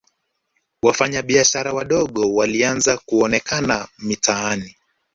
wafanya biashara wadogo walianza kuonekana mitaani